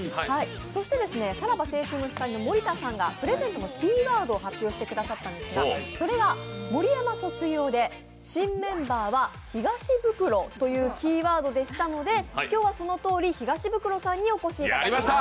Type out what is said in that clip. そして、さらば青春の光の森田さんがプレゼントのキーワードを発表してくださったんでずか、それが「盛山卒業で新メンバーは東ブクロ」というキーワードでしたので今日はそのとおり、東ブクロさんにお越しいただきました。